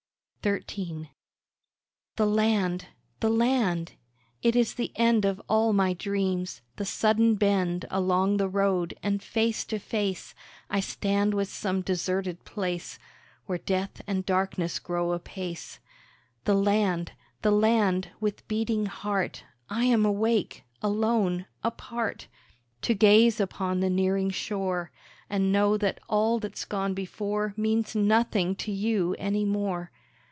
XIII The land! The land! it is the end Of all my dreams; the sudden bend Along the road, and face to face I stand with some deserted place, Where Death, and Darkness grow apace. The land! The land! with beating heart I am awake, alone, apart; To gaze upon the nearing shore, And know that all that's gone before Means nothing to you any more.